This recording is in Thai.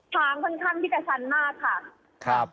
ทางค่อนข้างพิกัดชันมากค่ะ